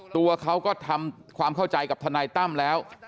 ตัวเขาก็ทำความเข้าใจกับทนายตั้มแล้ว